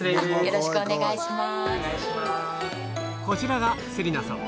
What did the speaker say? よろしくお願いします。